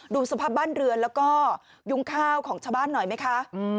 ดูสภาพบ้านเรือนแล้วก็ยุงข้าวของชาวบ้านหน่อยไหมคะ